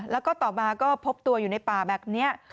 แล้วก็ต่อมาก็พบตัวอยู่ในป่าแบบนี้